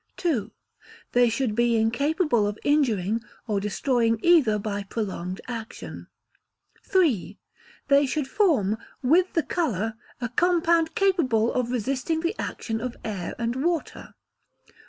ii. They should be incapable of injuring or destroying either by prolonged action, iii. They should form, with the colour, a compound capable of resisting the action of air and water.